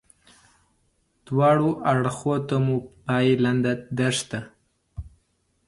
دواړه اړخو ته مو بې پایې لنده دښته.